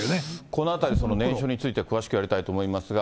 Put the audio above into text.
このあたり、念書について詳しくやりたいと思いますが。